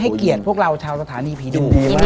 ให้เกียรติพวกเราชาวสถานีผีดุ